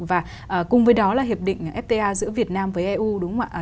và cùng với đó là hiệp định fta giữa việt nam với eu đúng không ạ